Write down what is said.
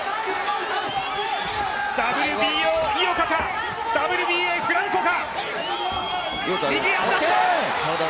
ＷＢＡ、井岡かＷＢＯ、フランコか。